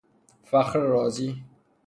فخر رازی